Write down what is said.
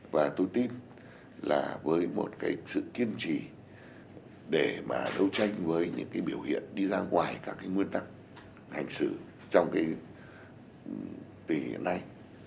và tôi tin là với một sự kiên trì để đấu tranh với những biểu hiện đi ra ngoài các nguyên tắc hành xử trong tình hiện nay